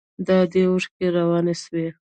د ادې اوښکې روانې سوې.